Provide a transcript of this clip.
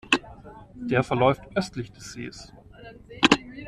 Der verläuft östlich des Sees.